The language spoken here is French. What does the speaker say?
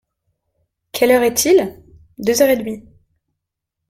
Quelle heure est-il ? Deux heures et demie.